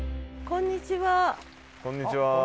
こんにちは。